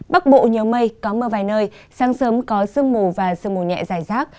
bắc bộ nhiều mây có mưa vài nơi sáng sớm có sương mù và sương mù nhẹ dài rác